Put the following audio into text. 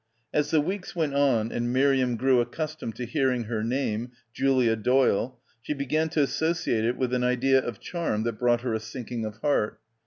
As the weeks went on and Miriam grew accustomed to hearing her name — Julia Doyle — she began to associate it with an idea of charm that brought her a sinking of heart.